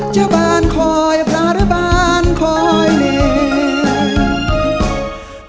จะบ้านคอยพระหรือบ้านคอยเล่น